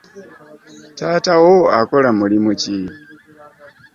Taata wo akola mulimu ki?